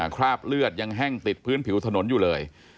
คราบเลือดยังแห้งติดพื้นผิวถนนอยู่เลย